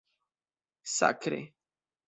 Sakre!